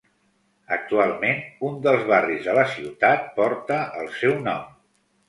Actualment, un dels barris de la ciutat porta el seu nom.